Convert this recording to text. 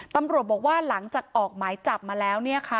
ตำรวจบอกว่าหลังจากออกหมายจับมาแล้ว